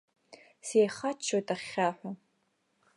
Сеихаччоит ахьхьаҳәа.